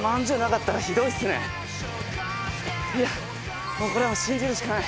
いやこれもう信じるしかない。